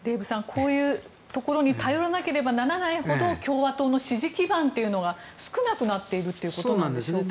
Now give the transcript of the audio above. こういうところに頼らなければならないほど共和党の支持基盤は少なくなっているということなんですね。